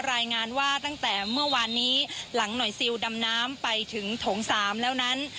รายงานว่าตั้งแต่เมื่อวานนี้หลังหน่วยซิลดำน้ำไปถึงโถง๓แล้วนั้น